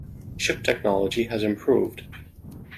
Ship technology has improved.